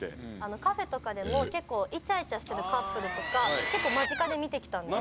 カフェとかでも結構イチャイチャしてるカップルとか結構間近で見てきたんですよ。